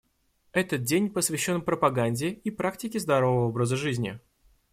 Этот день посвящен пропаганде и практике здорового образа жизни.